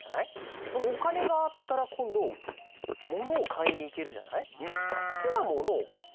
じゃあそのおかねがあったらこんどものをかいにいけるじゃない？